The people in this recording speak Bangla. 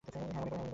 হ্যাঁ, মনে করব।